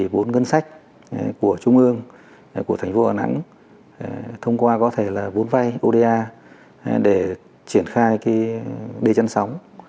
vốn ngân sách của trung ương của thành phố đà nẵng thông qua vốn vay oda để triển khai đê chân sóng